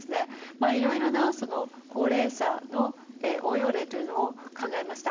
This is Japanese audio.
いろいろな高齢者の応用例というのを考えました。